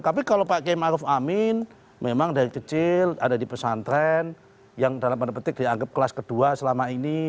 tapi kalau pak k ⁇ maruf ⁇ amin memang dari kecil ada di pesantren yang dalam tanda petik dianggap kelas kedua selama ini